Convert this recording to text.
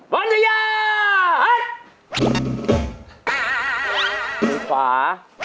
ตรงขวา